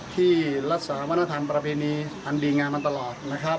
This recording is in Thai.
ที่รักษาวัณฑฐานประเพณีอันดีงามันตลอด